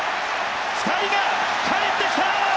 ２人がかえってきた！